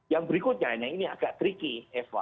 yang berikutnya nah ini agak tricky eva